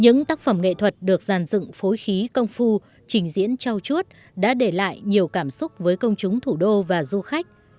những tác phẩm nghệ thuật được giàn dựng phối khí công phu trình diễn trao chuốt đã để lại nhiều cảm xúc với công chúng thủ đô và du khách